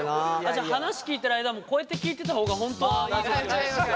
じゃあ話聞いてる間もこうやって聞いてた方が本当はいい？